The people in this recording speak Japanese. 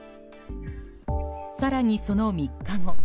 更にその３日後。